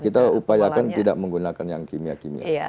kita upayakan tidak menggunakan yang kimia kimia